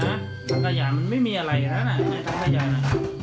นักท่าอย่างมันไม่มีอะไรนะน่ะนักท่าอย่างน่ะ